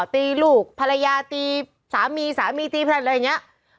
ตีลูกภรรยาตีสามีสามีตีแพลนอะไรอย่างนี้